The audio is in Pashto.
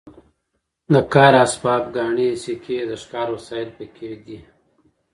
د کار اسباب ګاڼې سکې د ښکار وسایل پکې دي.